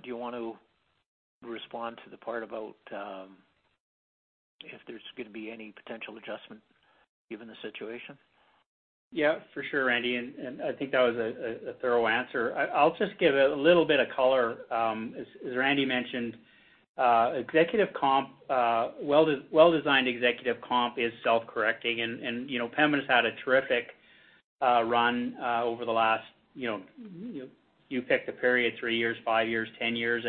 you want to respond to the part about if there's going to be any potential adjustment given the situation? Yeah, for sure, Randy. I think that was a thorough answer. I'll just give a little bit of color. As Randy mentioned, well-designed executive comp is self-correcting, and Pembina's had a terrific run over the last, you pick the period, three years, five years, 10 years.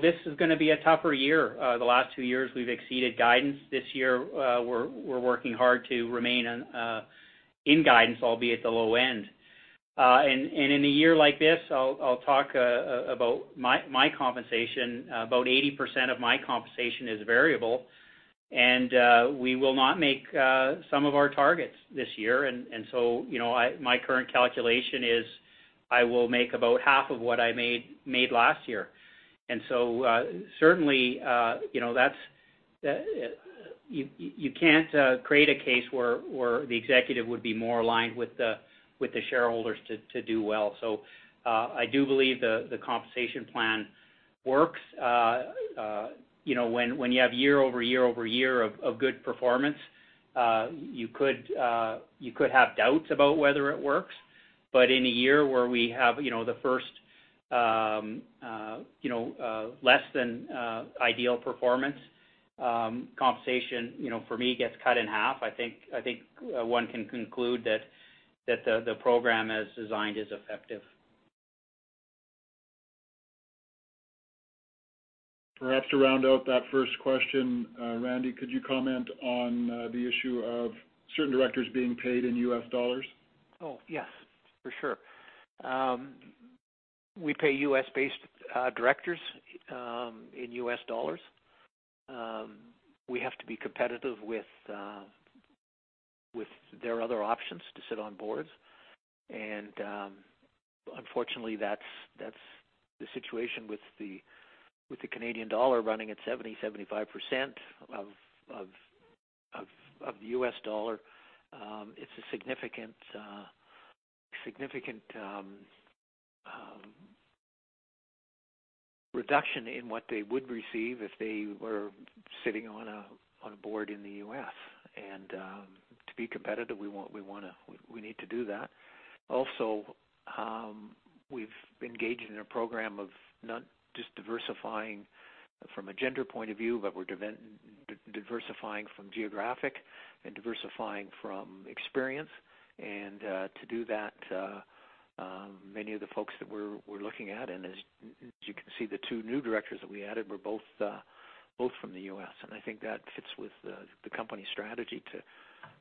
This is going to be a tougher year. The last two years we've exceeded guidance. This year, we're working hard to remain in guidance, albeit at the low end. In a year like this, I'll talk about my compensation. About 80% of my compensation is variable, and we will not make some of our targets this year. My current calculation is I will make about half of what I made last year. Certainly, you can't create a case where the executive would be more aligned with the shareholders to do well. I do believe the compensation plan works. When you have year over year over year of good performance, you could have doubts about whether it works. In a year where we have the first less than ideal performance, compensation for me gets cut in half. I think one can conclude that the program as designed is effective. Perhaps to round out that first question, Randy, could you comment on the issue of certain directors being paid in US dollars? Yes, for sure. We pay U.S.-based directors in U.S. dollars. We have to be competitive with their other options to sit on boards. Unfortunately, that's the situation with the Canadian dollar running at 70%, 75% of the U.S. dollar. It's a significant reduction in what they would receive if they were sitting on a board in the U.S., and to be competitive, we need to do that. Also, we've engaged in a program of not just diversifying from a gender point of view, but we're diversifying from geographic and diversifying from experience. To do that, many of the folks that we're looking at, and as you can see, the two new directors that we added were both from the U.S. I think that fits with the company strategy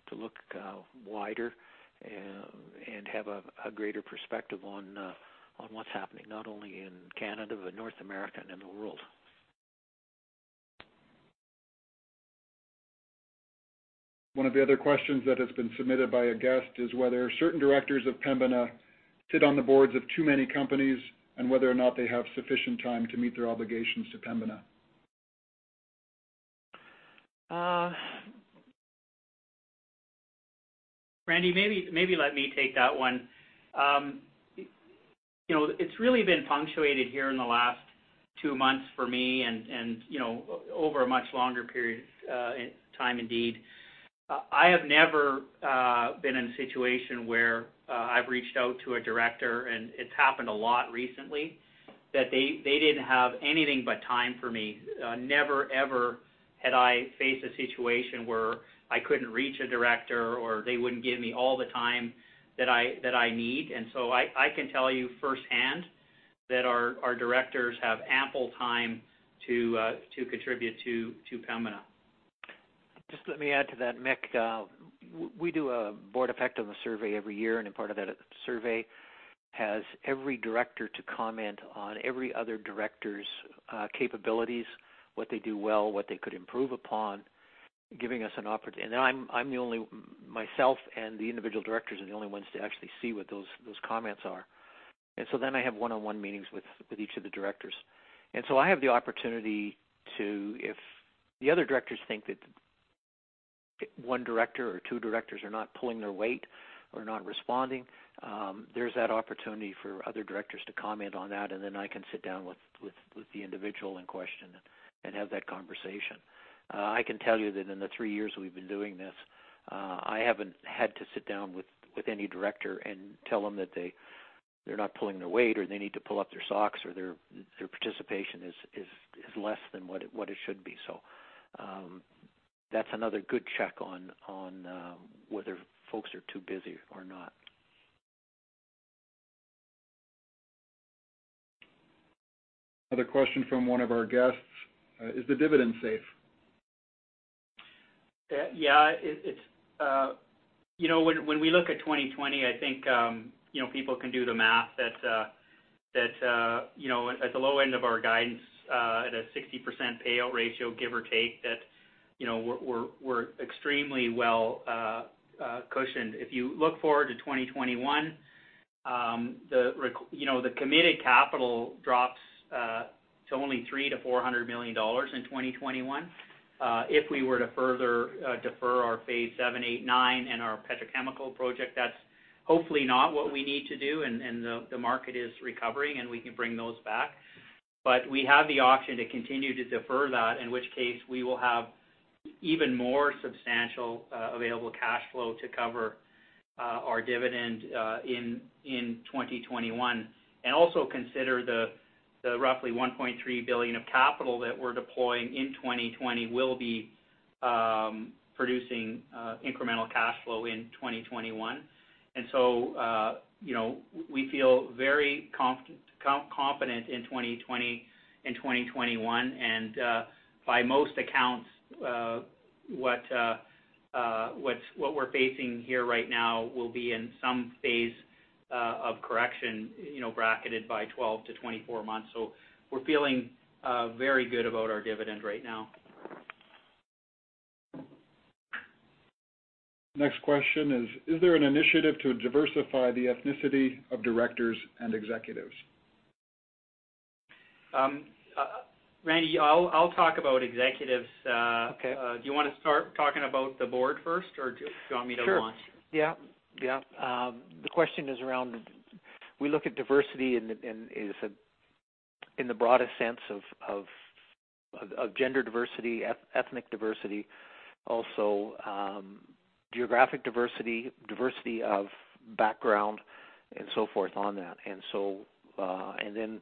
to look wider and have a greater perspective on what's happening not only in Canada, but North America and in the world. One of the other questions that has been submitted by a guest is whether certain directors of Pembina sit on the boards of too many companies, and whether or not they have sufficient time to meet their obligations to Pembina. Randy, maybe let me take that one. It's really been punctuated here in the last two months for me and over a much longer period in time, indeed. I have never been in a situation where I've reached out to a director, and it's happened a lot recently, that they didn't have anything but time for me. Never, ever had I faced a situation where I couldn't reach a director, or they wouldn't give me all the time that I need. I can tell you firsthand that our directors have ample time to contribute to Pembina. Just let me add to that, Mick. We do a board effectiveness survey every year. A part of that survey has every director to comment on every other director's capabilities, what they do well, what they could improve upon, giving us an opportunity. Myself and the individual directors are the only ones to actually see what those comments are. I have one-on-one meetings with each of the directors. I have the opportunity to, if the other directors think that one director or two directors are not pulling their weight or not responding, there's that opportunity for other directors to comment on that. Then I can sit down with the individual in question and have that conversation. I can tell you that in the three years we've been doing this, I haven't had to sit down with any director and tell them that they're not pulling their weight or they need to pull up their socks or their participation is less than what it should be. That's another good check on whether folks are too busy or not. Another question from one of our guests. Is the dividend safe? When we look at 2020, I think people can do the math that at the low end of our guidance at a 60% payout ratio, give or take, that we're extremely well cushioned. If you look forward to 2021, the committed capital drops to only 300 million-400 million dollars in 2021. If we were to further defer our Phase VII, VIII, IX and our petrochemical project, that's hopefully not what we need to do, and the market is recovering, and we can bring those back. We have the option to continue to defer that, in which case we will have even more substantial available cash flow to cover our dividend in 2021. Also consider the roughly 1.3 billion of capital that we're deploying in 2020 will be producing incremental cash flow in 2021. We feel very confident in 2020 and 2021. By most accounts, what we're facing here right now will be in some phase of correction bracketed by 12-24 months. We're feeling very good about our dividend right now. Next question is there an initiative to diversify the ethnicity of directors and executives? Randy, I'll talk about executives. Okay. Do you want to start talking about the board first, or do you want me to launch? Sure. Yeah. The question is around We look at diversity in the broadest sense of gender diversity, ethnic diversity, also geographic diversity of background, and so forth on that. Then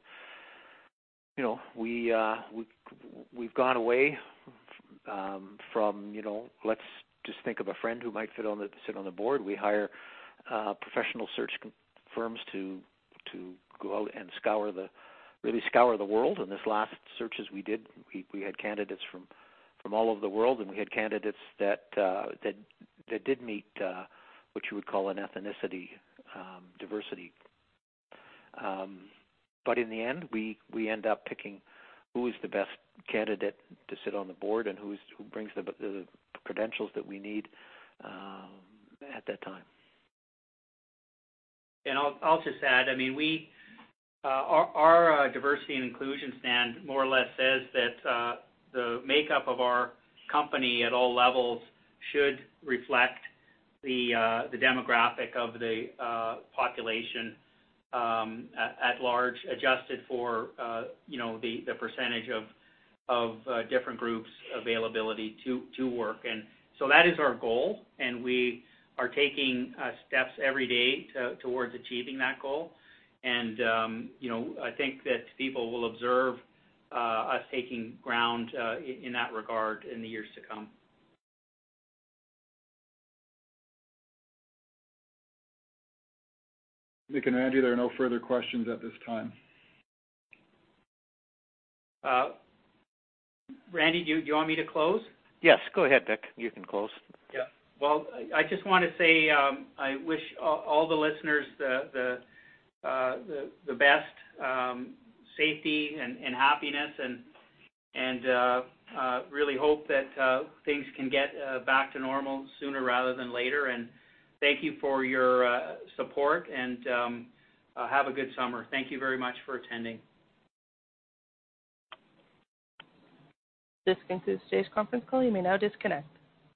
we've gone away from let's just think of a friend who might sit on the board. We hire professional search firms to go out and really scour the world. In this last searches we did, we had candidates from all over the world, We had candidates that did meet what you would call an ethnicity diversity. In the end, we end up picking who is the best candidate to sit on the board and who brings the credentials that we need at that time. I'll just add, our diversity and inclusion stand more or less says that the makeup of our company at all levels should reflect the demographic of the population at large, adjusted for the percentage of different groups' availability to work. That is our goal, and we are taking steps every day towards achieving that goal. I think that people will observe us taking ground in that regard in the years to come. Mick and Randy, there are no further questions at this time. Randy, do you want me to close? Yes, go ahead, Mick. You can close. Yeah. Well, I just want to say I wish all the listeners the best safety and happiness, and really hope that things can get back to normal sooner rather than later. Thank you for your support, and have a good summer. Thank you very much for attending. This concludes today's conference call. You may now disconnect.